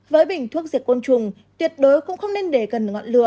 với bình thuốc diệt côn trùng tuyệt đối không nên để gần ngọn lửa